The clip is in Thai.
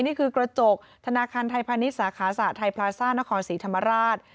นี่คือกระจกธนาคารไทยพาณิชย์สาขาสหไทยพลาซ่านครศรีธรรมราช